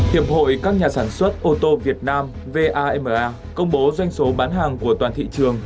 hiệp hội các nhà sản xuất ô tô việt nam vama công bố doanh số bán hàng của toàn thị trường